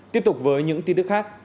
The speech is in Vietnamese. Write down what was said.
tiếp tục với những tin tức khác